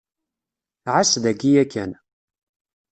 Ɛas daki yakan.